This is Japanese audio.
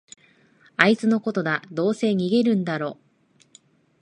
あいつのことだ、どうせ逃げるだろ